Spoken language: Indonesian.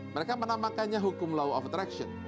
mereka menamakannya hukum law of atraction